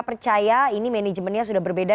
percaya ini manajemennya sudah berbeda